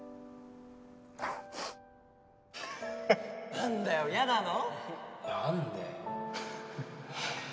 何だよ嫌なの？